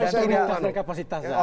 tidak ada kapasitas